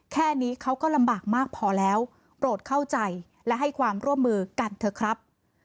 แค่นี้เขาก็ลำบากมากพอแล้วโปรดเข้าใจและให้ความร่วมมือกันเถอะครับ